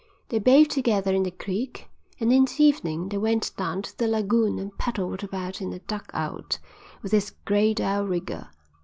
They bathed together in the creek; and in the evening they went down to the lagoon and paddled about in a dugout, with its great outrigger.